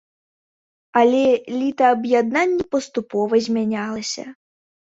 Але літаб'яднанне паступова змянялася.